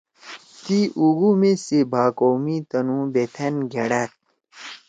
تی اُوگُو میز سی بھا کؤ می تُنُو بِتھأن گھیڑأد۔